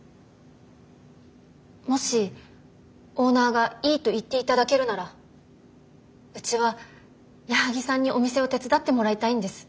もしオーナーがいいと言っていただけるならうちは矢作さんにお店を手伝ってもらいたいんです。